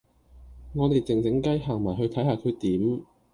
我地靜靜雞行埋去睇下佢點